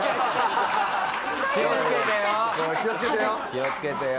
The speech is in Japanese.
気をつけてよ！